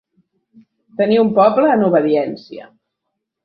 Tenir un poble en obediència.